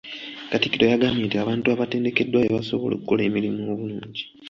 Katikkiro yagambye nti abantu abatendekeddwa be basobola okukola emirimu obulungi.